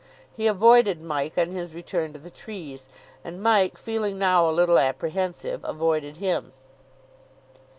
He avoided Mike on his return to the trees. And Mike, feeling now a little apprehensive, avoided him.